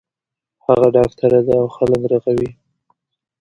هغه ډاکټر ده او خلک رغوی